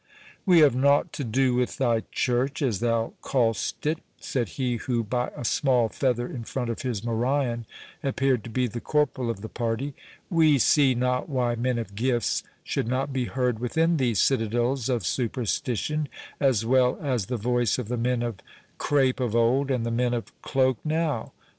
"We have nought to do with thy church, as thou call'st it," said he who, by a small feather in front of his morion, appeared to be the corporal of the party;—"we see not why men of gifts should not be heard within these citadels of superstition, as well as the voice of the men of crape of old, and the men of cloak now.